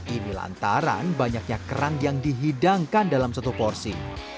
ini lantaran banyaknya kerang yang dihidangkan dalam satu porsi